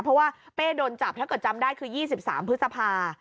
เพราะว่าเป้โดนจับถ้าเกิดจำได้คือ๒๓พฤษภา